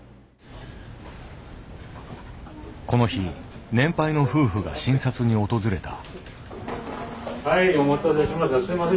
この日年配の夫婦が診察に訪れた。